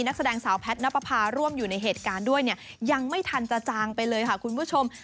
นักแสดงสาวแพทย์นับประพาร่วมอยู่ในเหตุการณ์ด้วยเนี่ยยังไม่ทันจะจางไปเลยค่ะคุณผู้ชม